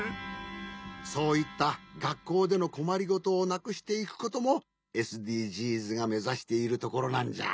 そういったがっこうでのこまりごとをなくしていくこともＳＤＧｓがめざしているところなんじゃ。